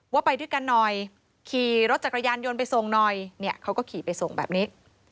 ว่าไปด้วยกันหน่อยขี่รถจักรยานยนต์ไปส่งหน่อยเนี่ยเขาก็ขี่ไปส่งแบบนี้